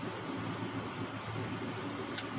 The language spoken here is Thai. หมดทุนแล้วครับ